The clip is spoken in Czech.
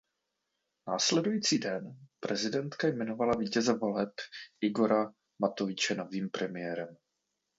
Následující den prezidentka jmenovala vítěze voleb Igora Matoviče novým premiérem.